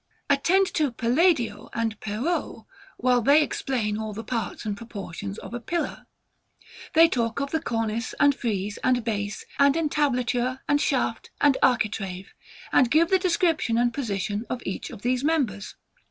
Attend to Palladio and Perrault, while they explain all the parts and proportions of a pillar. They talk of the cornice, and frieze, and base, and entablature, and shaft, and architrave; and give the description and position of each of these members.